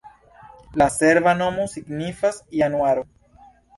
La serba nomo signifas januaro.